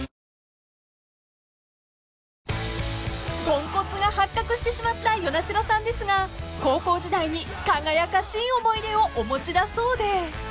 ［ポンコツが発覚してしまった與那城さんですが高校時代に輝かしい思い出をお持ちだそうで］